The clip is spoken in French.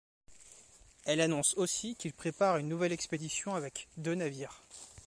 Elle annonce aussi qu'il prépare une nouvelle expédition avec deux navires.